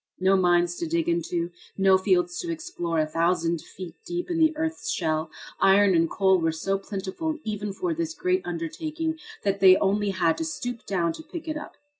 No mines to dig into, no fields to explore a thousand feet deep in the earth's shell. Iron and coal were so plentiful even for this great undertaking that they only had to stoop down to pick it up.